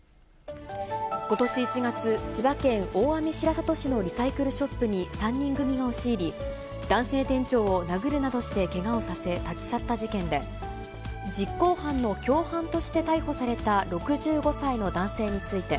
ことし１月、千葉県大網白里市のリサイクルショップに３人組が押し入り、男性店長を殴るなどしてけがをさせ立ち去った事件で、実行犯の共犯として逮捕された６５歳の男性について、